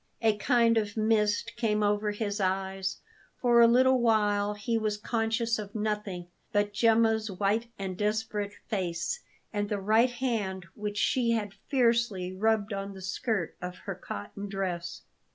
A kind of mist came over his eyes. For a little while he was conscious of nothing but Gemma's white and desperate face, and the right hand which she had fiercely rubbed on the skirt of her cotton dress.